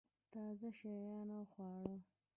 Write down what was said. تازه شیان او خواږه